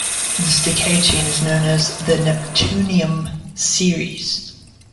This decay chain is known as the neptunium series.